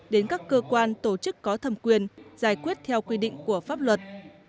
đến các cơ quan tổ chức có thẩm quyền giải quyết theo quy định của pháp luật